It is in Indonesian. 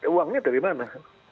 uangnya dari mana